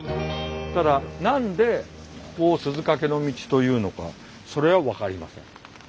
ただ何でここを鈴懸の径というのかそれは分かりません。